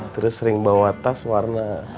terus sering bawa tas warna